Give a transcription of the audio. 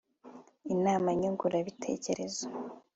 inama nyunguranabitekerezo